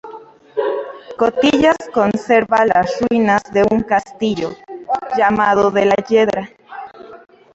Cotillas conserva las ruinas de un castillo, llamado de la Yedra.